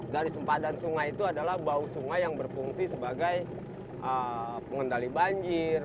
garis sempadan sungai itu adalah bau sungai yang berfungsi sebagai pengendali banjir